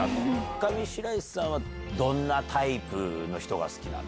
上白石さんはどんなタイプの人が好きなの？